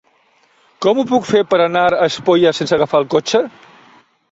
Com ho puc fer per anar a Espolla sense agafar el cotxe?